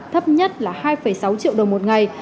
thấp nhất là hai sáu triệu đồng một ngày